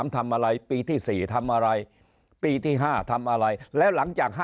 ทำอะไรปีที่๔ทำอะไรปีที่๕ทำอะไรแล้วหลังจาก๕